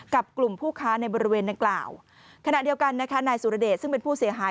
กับกลุ่มผู้ค้าในบริเวณดังกล่าวขณะเดียวกันนะคะนายสุรเดชซึ่งเป็นผู้เสียหาย